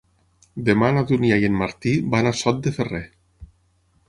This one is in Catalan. Demà na Dúnia i en Martí van a Sot de Ferrer.